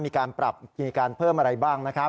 มีการปรับมีการเพิ่มอะไรบ้างนะครับ